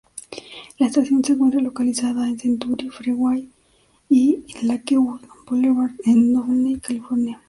La estación se encuentra localizada entre Century Freeway y Lakewood Boulevard en Downey, California.